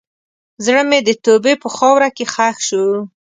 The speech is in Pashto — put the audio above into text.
زړه مې د توبې په خاوره کې ښخ شو.